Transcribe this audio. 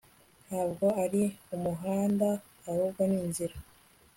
Ntabwo ari umuhanda ahubwo ni inzira